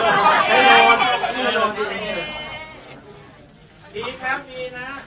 อันนั้นจะเป็นภูมิแบบเมื่อ